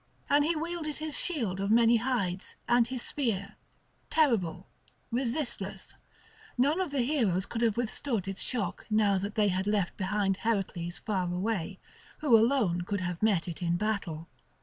And he wielded his shield of many hides, and his spear, terrible, resistless; none of the heroes could have withstood its shock now that they had left behind Heracles far away, who alone could have met it in battle.